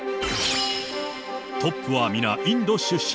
トップは皆インド出身。